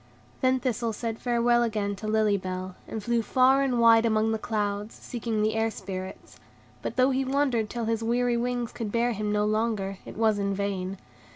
Then Thistle said farewell again to Lily Bell, and flew far and wide among the clouds, seeking the Air Spirits; but though he wandered till his weary wings could bear him no longer, it was in vain.